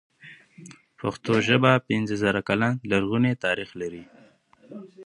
پښتو ژبه پنځه زره کلن لرغونی تاريخ لري.